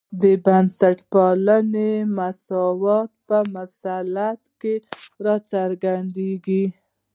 د بنسټپالنې مسلمات په مثلث کې راڅرګندېږي.